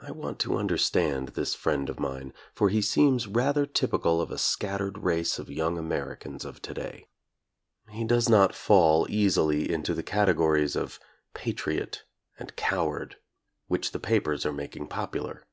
I want to understand this friend of mine, for he seems rather typical of a scattered race of young Americans of to day. He does not fall easily into the categories of patriot and coward which the papers are making popular.